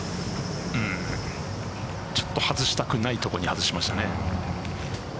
ちょっと外したくないところに外しましたね。